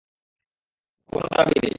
কোনো দাবি নেই।